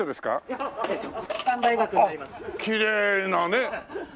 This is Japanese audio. あっきれいなね。